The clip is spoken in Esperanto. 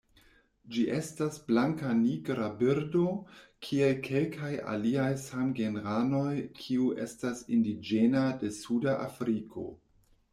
Ĝi estas blankanigra birdo kiel kelkaj aliaj samgenranoj kiu estas indiĝena de Suda Afriko.